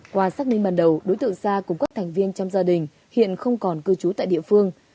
qua xác minh ban đầu đối tượng sa cùng các thành viên trong gia đình hiện không còn cư trú tại địa phương